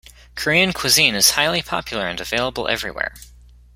Korean cuisine is highly popular and available everywhere.